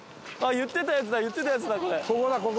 言ってたやつだ言ってたやつだこれ。